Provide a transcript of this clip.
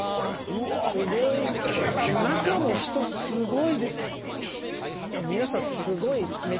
中も人すごいですよ。